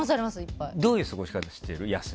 どういう過ごし方してる？